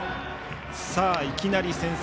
いきなり先制。